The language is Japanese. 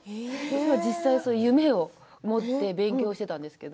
実際そういう夢を持って勉強していたんですけれど。